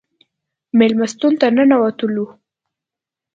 مېلمستون ته ننوتلو.